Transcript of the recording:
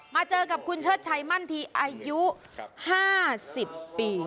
เจอกับคุณเชิดชัยมั่นทีอายุ๕๐ปี